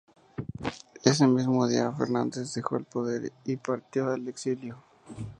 Ese mismo día, Fernández dejó el poder y partió al exilio.